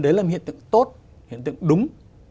đấy là một hiện tượng tốt hiện tượng đúng